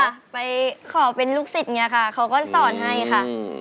ไปขอเป็นลูกศิษย์อย่างนี้ค่ะเขาก็สอนให้ค่ะ